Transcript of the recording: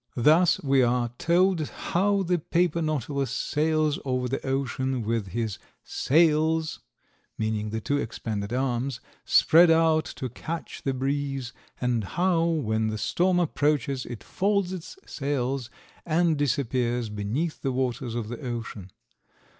Thus we are told how the paper nautilus sails over the ocean with his "sails" (meaning the two expanded arms) spread out to catch the breeze, and how, when the storm approaches, it folds its sails and disappears beneath the waters of the ocean.